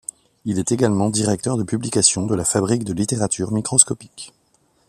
Il est également directeur de publication de La Fabrique de Littérature Microscopique.